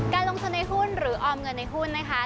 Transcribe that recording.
ลงทุนในหุ้นหรือออมเงินในหุ้นนะคะ